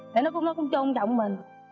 để nó cũng trông trọng mình